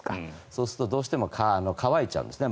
そうするとどうしても乾いちゃうんですね。